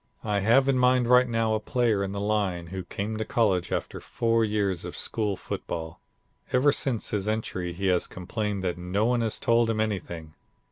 "I have in mind right now a player in the line, who came to college after four years of school football. Ever since his entry he has complained that no one has told him anything.